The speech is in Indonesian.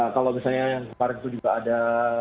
kalau misalnya yang kemarin itu juga ada